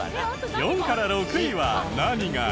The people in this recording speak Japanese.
４から６位は何が入る？